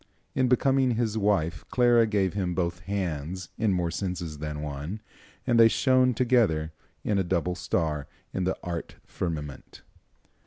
In becoming his wife Clara gave him both hands in more senses than one, and they shone together as a double star in the art firmament.